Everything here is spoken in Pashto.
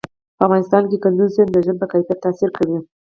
په افغانستان کې کندز سیند د ژوند په کیفیت تاثیر کوي.